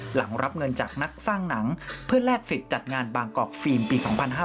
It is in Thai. หลังรับเงินจากนักสร้างหนังเพื่อแลกสิทธิ์จัดงานบางกอกฟิล์มปี๒๕๕๙